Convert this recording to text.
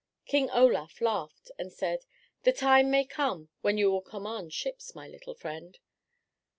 King Olaf laughed and said, "The time may come when you will command ships, my little friend."